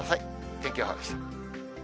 天気予報でした。